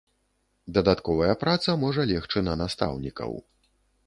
Дадатковая праца можа легчы на настаўнікаў.